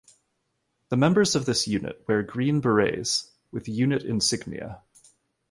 The members of this unit wear green berets with unit insignia.